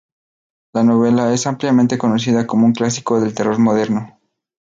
La novela es ampliamente conocida como un clásico del terror moderno.